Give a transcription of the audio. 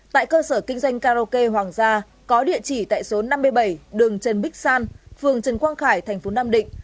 tại cơ sở kinh doanh karaoke hoàng gia có địa chỉ tại số năm mươi bảy đường trần bích san phường trần quang khải thành phố nam định